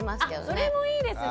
あそれもいいですね。